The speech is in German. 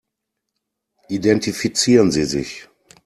Identifizieren Sie sich.